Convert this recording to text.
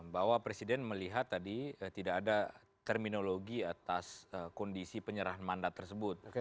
bahwa presiden melihat tadi tidak ada terminologi atas kondisi penyerahan mandat tersebut